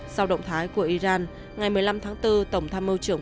sau động thái của iran ngày một mươi năm tháng bốn